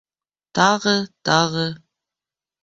Тағы... тағы...